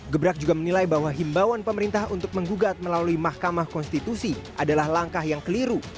gebrak juga menilai bahwa himbawan pemerintah untuk menggugat melalui mahkamah konstitusi adalah langkah yang keliru